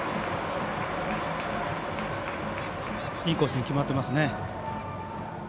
いいコースに決まってます。